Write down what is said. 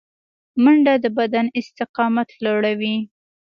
منډه د بدن استقامت لوړوي